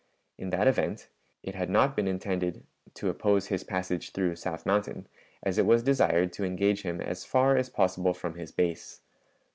In that event it had not been intended to oppose his passage through South Mountain, as it was desired to engage him as far as possible from his base.